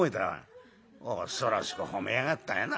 「ああ恐ろしく褒めやがったよな。